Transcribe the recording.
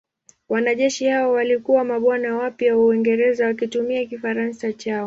Wanajeshi hao walikuwa mabwana wapya wa Uingereza wakitumia Kifaransa chao.